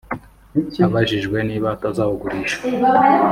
Abajijwe niba atazawugurisha